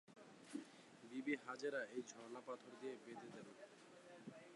বিবি হাজেরা এই ঝর্ণা পাথর দিয়ে বেধে দেন।